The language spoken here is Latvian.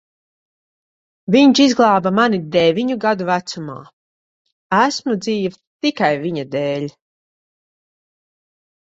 Viņš izglāba mani deviņu gadu vecumā. Esmu dzīva tikai viņa dēļ.